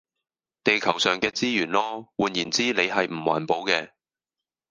地球上嘅資源囉，換言之你係唔環保嘅